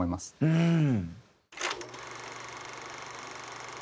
うん。